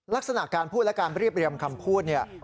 ลักษณะการพูดและการเรียบเรียมคำพูดเนี่ย